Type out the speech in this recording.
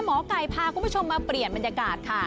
หมอไก่พาคุณผู้ชมมาเปลี่ยนบรรยากาศค่ะ